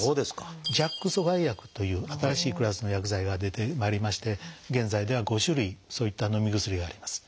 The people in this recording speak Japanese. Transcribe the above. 「ＪＡＫ阻害薬」という新しいクラスの薬剤が出てまいりまして現在では５種類そういったのみ薬があります。